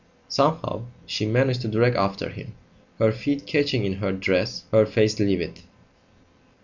Somehow she managed to drag after him, her feet catching in her dress, her face livid.